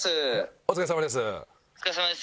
「お疲れさまです」